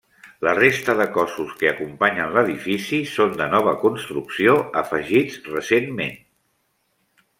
La resta de cossos que acompanyen l'edifici són de nova construcció, afegits recentment.